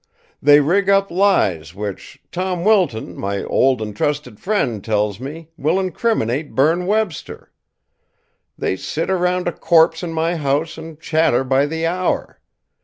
They rig up lies which, Tom Wilton, my old and trusted friend, tells me, will incriminate Berne Webster. They sit around a corpse in my house and chatter by the hour.